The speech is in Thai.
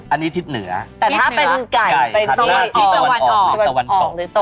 อันนี้ทิศเหนือแต่ถ้าเป็นไก่ตะวันออกตะวันออกหรือตกจดไว้นะ